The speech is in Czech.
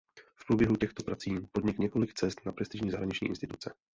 V průběhu těchto prací podnik několik cest na prestižní zahraniční instituce.